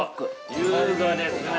優雅ですね。